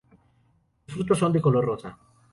Los frutos son de color rosa.